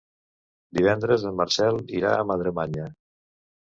Divendres en Marcel irà a Madremanya.